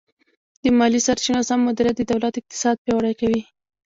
د مالي سرچینو سم مدیریت د دولت اقتصاد پیاوړی کوي.